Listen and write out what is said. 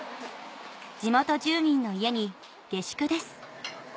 地元住民の家に下宿です